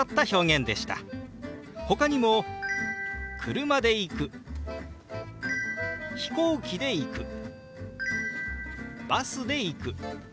ほかにも「車で行く」「飛行機で行く」「バスで行く」。